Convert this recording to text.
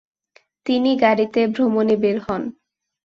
তিনি গাড়িতে ভ্রমনে বের হন।